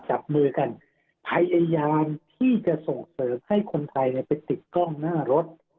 จับมือกันพยายามที่จะส่งเสริมให้คนไทยไปติดกล้องหน้ารถ